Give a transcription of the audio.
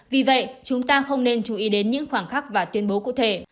vì vậy chúng ta không nên chú ý đến những khoảng khắc và tuyên bố cụ thể